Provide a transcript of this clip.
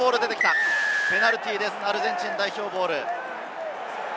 ペナルティーです、アルゼンチン代表ボール。